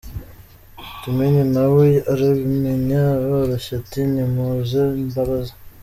Kimenyi na we arabimenya aroroshya ati “Nimuze mbabaze”.